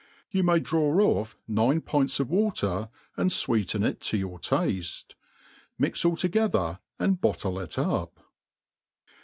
You may draw ofF nine pints of water, and fweeten it to your taile. Mix all together, and bottle it up.